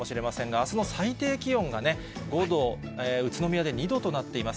あすの最低気温がね、５度、宇都宮で２度となっています。